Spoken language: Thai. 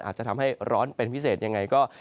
อาจจะทำให้ร้อนเป็นพิเศษยังไงก็